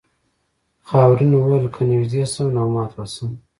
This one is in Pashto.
خاورین وویل که نږدې شم نو مات به شم.